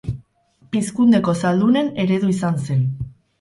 Pizkundeko zaldunen eredu izan zen.